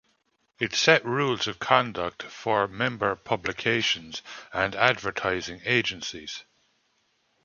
It set rules of conduct for member publications and advertising agencies.